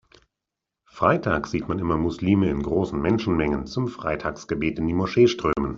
Freitags sieht man immer Muslime in großen Menschenmengen zum Freitagsgebet in die Moschee strömen.